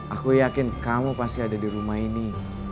aku yakin kamu pasti ada di rumah ini